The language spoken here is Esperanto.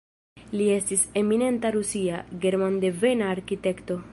Li estis eminenta rusia, germandevena arkitekto.